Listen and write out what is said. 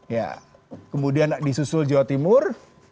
ya kemudian disusul jawa timur